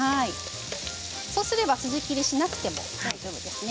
そうすれば筋切りしなくても大丈夫ですね。